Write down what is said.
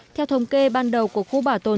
theo thống kê ban đầu của khu bảo tồn